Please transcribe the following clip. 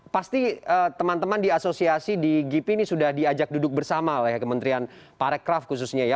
pasti teman teman di asosiasi di gipi ini sudah diajak duduk bersama oleh kementerian parekraf khususnya ya